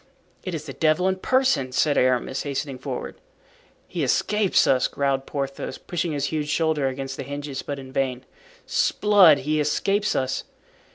"It is the devil in person!" said Aramis, hastening forward. "He escapes us," growled Porthos, pushing his huge shoulder against the hinges, but in vain. "'Sblood! he escapes us."